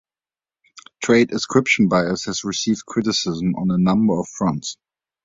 Trait ascription bias has received criticism on a number of fronts.